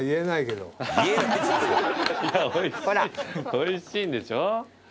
美味しいんでしょ？